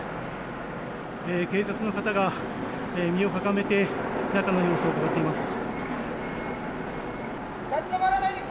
警察の方が身をかがめて中の様子をうかがっています。